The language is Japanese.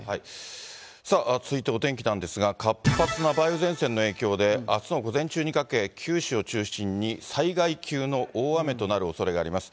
さあ、続いてお天気なんですが、活発な梅雨前線の影響であすの午前中にかけ、九州を中心に災害級の大雨となるおそれがあります。